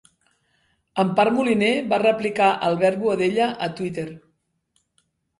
Empar Moliner va replicar Albert Boadella a Twitter